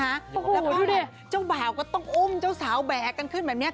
แล้วก็เจ้าบ่าวก็ต้องอุ้มเจ้าสาวแบกกันขึ้นแบบนี้